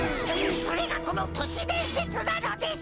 それがこの都市伝説なのです！